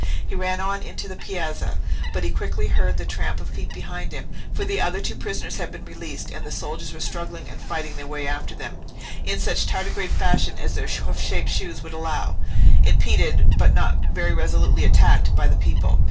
He ran on into the piazza, but he quickly heard the tramp of feet behind him, for the other two prisoners had been released, and the soldiers were struggling and fighting their way after them, in such tardigrade fashion as their hoof shaped shoes would allow—impeded, but not very resolutely attacked, by the people.